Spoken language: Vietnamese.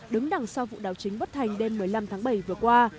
đứng đằng sau vụ đảo chính bất thành đêm một mươi năm tháng bảy vừa qua